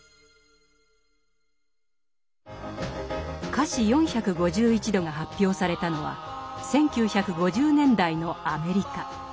「華氏４５１度」が発表されたのは１９５０年代のアメリカ。